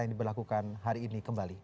yang diberlakukan hari ini kembali